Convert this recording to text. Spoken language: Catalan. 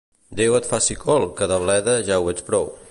Déu et faci col, que de bleda ja ho ets prou.